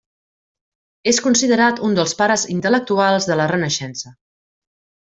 És considerat un dels pares intel·lectuals de la Renaixença.